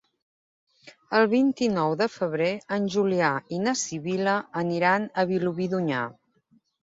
El vint-i-nou de febrer en Julià i na Sibil·la aniran a Vilobí d'Onyar.